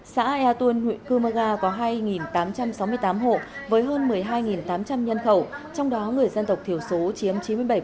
xã ea tôn huyện cơ mơ gà có hai tám trăm sáu mươi tám hộ với hơn một mươi hai tám trăm linh nhân khẩu trong đó người dân tộc thiểu số chiếm chín mươi bảy